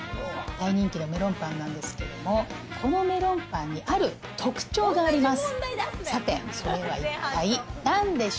大人気のメロンパンなんですけどもこのメロンパンにある特徴があります。